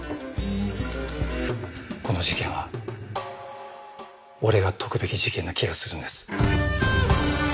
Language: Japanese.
この事件は俺が解くべき事件な気がするんです。